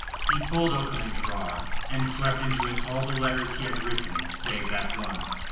He pulled open a drawer and swept into it all the letters he had written save that one.